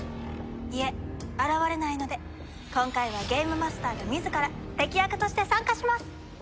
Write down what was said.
いえ現れないので今回はゲームマスターが自ら敵役として参加します！